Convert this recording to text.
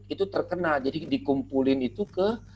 itu terkena jadi dikumpulin itu ke